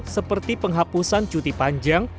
seperti penghapusan cuti panjang